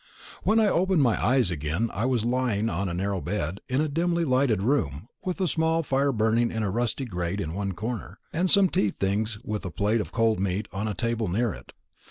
When I opened my eyes again, I was lying on a narrow bed, in a dimly lighted room, with a small fire burning in a rusty grate in one corner, and some tea things, with a plate of cold meat, on a table near it.